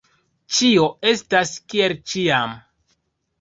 Ĉio estas kiel ĉiam.